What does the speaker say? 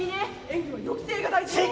演技は抑制が大事よ。